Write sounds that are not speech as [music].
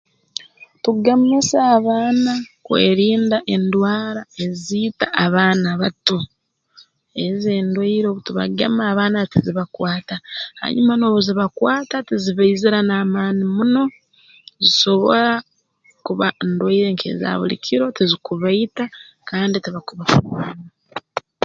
Tugemesa abaana kwerinda endwara eziita abaana bato ezo endwaire obutubagema abaana tizibakwata hanyuma obu n'obuzibakwata tizibaizira n'amaani muno zisobora kuba ndwaire nk'eza buli kiro tizikubaita kandi tibaku [unintelligible]